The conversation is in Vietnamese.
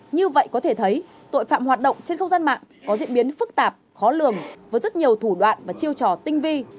như vậy có thể thấy tội phạm hoạt động trên không gian mạng có diễn biến phức tạp khó lường với rất nhiều thủ đoạn và chiêu trò tinh vi